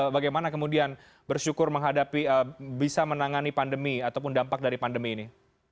bagaimana kemudian bersyukur menghadapi bisa menangani pandemi ataupun dampak dari pandemi ini